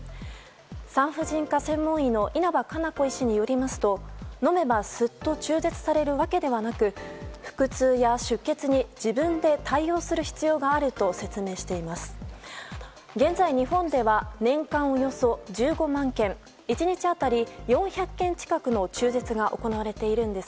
産婦人科専門医の稲葉可奈子医師によると飲めばすっと中絶されるわけではなく腹痛や出血に自分で対応する必要があると説明しています。